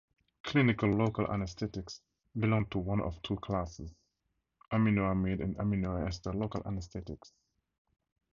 Clinical local anesthetics belong to one of two classes: aminoamide and aminoester local anesthetics.